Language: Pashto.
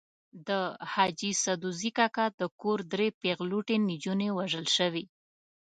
د حاجي سدوزي کاکا د کور درې پېغلوټې نجونې وژل شوې.